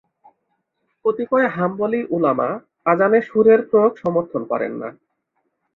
কতিপয় হাম্বলী ‘উলামা আযানে সুরের প্রয়োগ সমর্থন করেন না।